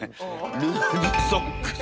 「ルーズソックス」。